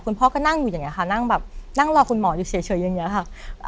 พ่อก็นั่งอยู่อย่างนี้ค่ะนั่งแบบนั่งรอคุณหมออยู่เฉยอย่างนี้ค่ะ